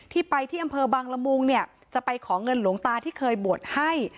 ที่ไปที่อำเภอบางละมุงเนี่ยจะไปขอเงินหลวงตาที่เคยบวชให้